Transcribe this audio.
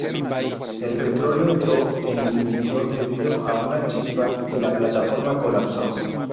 El petróleo entró en ignición debido a una chispa y la plataforma colapsó.